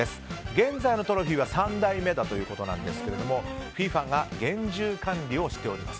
現在のトロフィーは３代目ということですがＦＩＦＡが厳重管理をしております。